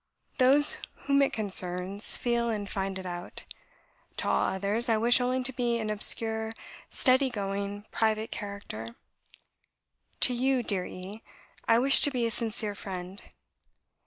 Those whom it concerns feel and find it out. To all others I wish only to be an obscure, steady going, private character. To you, dear E , I wish to be a sincere friend.